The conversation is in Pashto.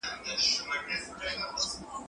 که وخت وي، کار کوم؟!